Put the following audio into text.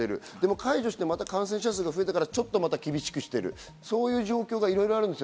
解除して感染者数が増えてからまた厳しくしている、そういう状況がいろいろあります。